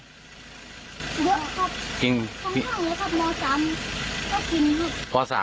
เยอะครับกินข้าวเลยครับม๓ก็กินครับ